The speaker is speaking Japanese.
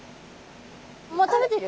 もう食べてる。